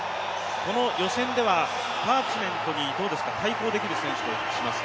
この予選ではパーチメントに対抗できる選手としますと？